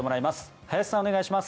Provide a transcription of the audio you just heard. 林さん、お願いします。